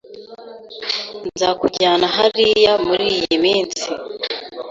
Nzakujyana hariya muriyi minsi.